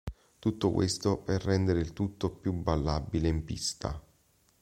Tutto questo per rendere il tutto più ballabile in pista.